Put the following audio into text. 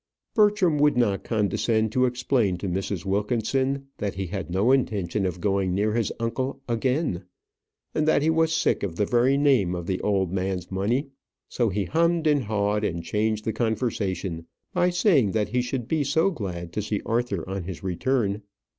Bertram would not condescend to explain to Mrs. Wilkinson that he had no intention of going near his uncle again, and that he was sick of the very name of the old man's money. So he hummed and hawed, and changed the conversation by saying that he should be so glad to see Arthur on his return.